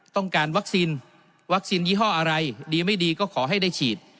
ต้องการวัคซีนวัคซีนยี่ห้ออะไรดีไม่ดีก็ขอให้ได้ฉีด